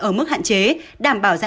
ở mỗi ngày